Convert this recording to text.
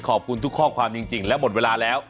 ขอบคุณทุกข้อความจริงและหมดเวลาแล้ว